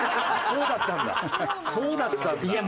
そうだったんだ。